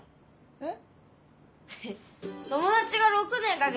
えっ？